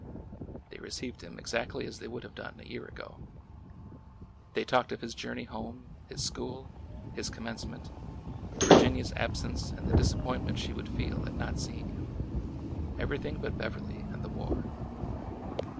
They received him exactly as they would have done a year ago. They talked of his journey home, his school, his commencement, Virginia's absence and the disappoint ment she would feel at not seeing him, — everything but Beverly and the war.